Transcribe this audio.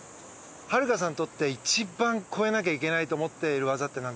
はるかさんにとって一番超えなきゃいけないと思っている技ってなんですか？